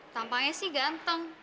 tampaknya sih ganteng